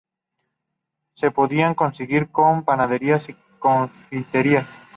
Se podían conseguir en panaderías y confiterías.